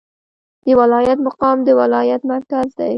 د ولایت مقام د ولایت مرکز دی